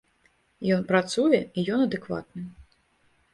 Ён працуе, і ён адэкватны.